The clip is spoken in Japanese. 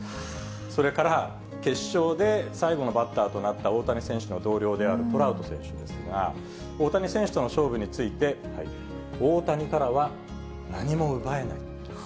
それから、決勝で最後のバッターとなった大谷選手の同僚であるトラウト選手ですが、大谷選手との勝負について、大谷からは、何も奪えない。